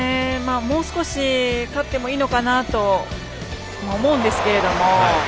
もう少し勝ってもいいのかなと思うんですけれども。